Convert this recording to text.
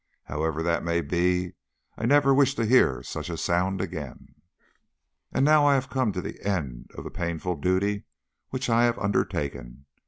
However that may be, I never wish to hear such a sound again. And now I have come to the end of the painful duty which I have undertaken.